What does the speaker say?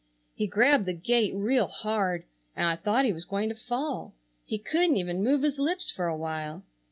He grabbed the gate real hard and I thought he was going to fall. He couldn't even move his lips for a while.